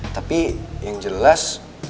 tapi yang jelas